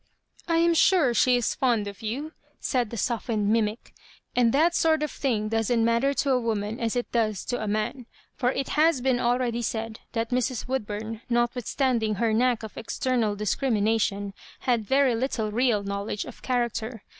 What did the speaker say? " I am suro she is fond of you," said the softened numic^ " and that sort of thing doesn*t matter to a woman as it does to a man ; for ik has been already said that Mm Woodbum, not* withstanding her knack of eztertial discrimina tion, had very little real knowledge of character.